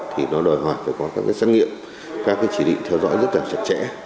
thì nó đòi hỏi phải có các xét nghiệm các chỉ định theo dõi rất là chặt chẽ